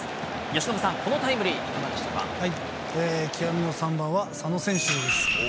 由伸さん、このタイムリー、極みの３番は佐野選手です。